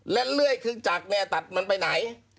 และเลื่อยขึ้นจากเนี่ยตัดมันไปไหน